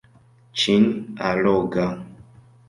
Ĉin-alloga